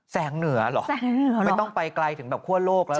เหนือเหรอไม่ต้องไปไกลถึงแบบคั่วโลกแล้ว